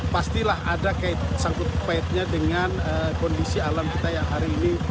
pastilah ada kait sangkut pahitnya dengan kondisi alam kita yang hari ini